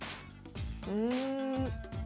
うん。